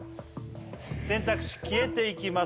選択肢消えていきます